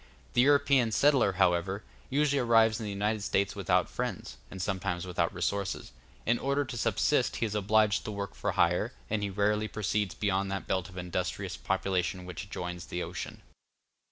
The European settler, however, usually arrives in the United States without friends, and sometimes without resources; in order to subsist he is obliged to work for hire, and he rarely proceeds beyond that belt of industrious population which adjoins the ocean.